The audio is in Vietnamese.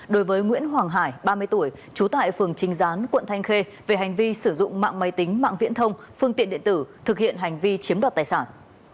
đối với nguyễn hoàng hải ba mươi tuổi trú tại phường trinh gián quận thanh khê về hành vi sử dụng mạng máy tính mạng viễn thông phương tiện điện tử thực hiện hành vi chiếm đoạt tài sản